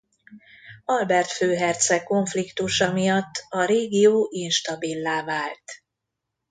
Albert főherceg konfliktusa miatt a régió instabillá vált.